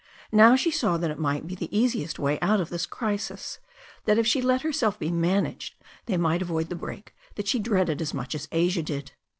' Now she saw that it might be the easiest way out of this crisis, that if she let herself be managed they might avoid the break that she dreaded as much as Asia did.